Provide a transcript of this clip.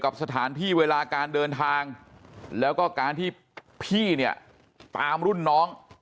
สถานที่เวลาการเดินทางแล้วก็การที่พี่เนี่ยตามรุ่นน้อง